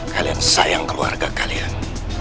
kalian sayang keluarga kalian